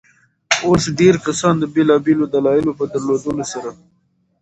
اوس ډېرى کسان د بېلابيلو دلايلو په درلودلو سره.